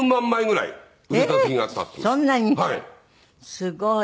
すごい。